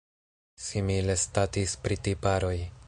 Simile statis pri tiparoj.